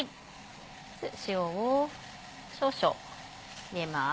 まず塩を少々入れます。